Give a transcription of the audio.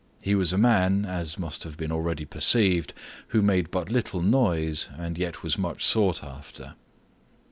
He was a man, as must have been already perceived, who made but little noise, and yet was much sought after.